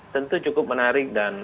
tentu cukup menarik dan